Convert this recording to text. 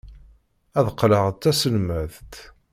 Ad qqleɣ d taselmadt.